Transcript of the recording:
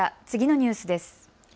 次のニュースです。